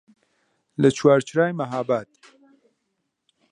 لە چوارچرای مەهاباد